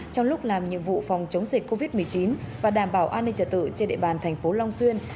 trong lúc làm nhiệm vụ phòng chống dịch covid một mươi chín và đảm bảo an ninh trả tự trên địa bàn thành phố long xuyên